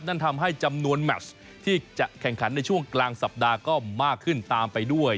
นั่นทำให้จำนวนแมชที่จะแข่งขันในช่วงกลางสัปดาห์ก็มากขึ้นตามไปด้วย